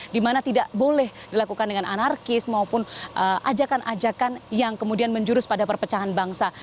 dimana tidak boleh dilakukan dengan anarkis maupun ajakan ajakan yang kemudian menjurus pada perpecahan bangsa